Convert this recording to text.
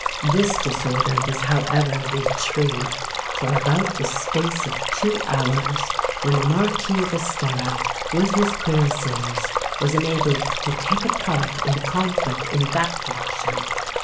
This disorder was however retrieved for about the space of two hours; when the Marquis of Estella, with his cuirassiers, was enabled to take a part in the conflict in that direction.